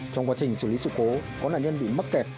trong quá trình xử lý sự cố có nạn nhân bị mắc kẹt